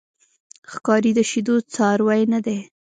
ښکاري د شیدو څاروی نه دی.